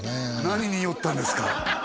何に酔ったんですか？